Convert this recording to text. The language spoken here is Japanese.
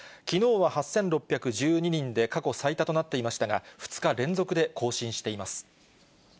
きのうは８６１２人で過去最多となっていましたが、２日連続で更